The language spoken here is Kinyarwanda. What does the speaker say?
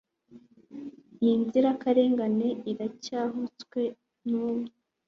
iyi nzirakarengane, iracyashutswe, nubu